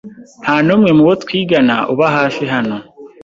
Nta n'umwe mu bo twigana uba hafi hano.